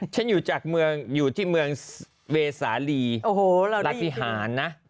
ฉันอยู่จากเมืองเวสาลีรัฐพิธนนะ